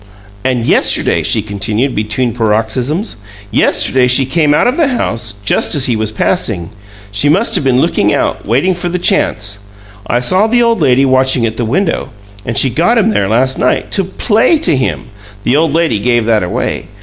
"And yesterday," she continued, between paroxysms "yesterday she came out of the house just as he was passing. She must have been looking out waiting for the chance; I saw the old lady watching at the window! And she got him there last night to 'PLAY' to him; the old lady gave that away!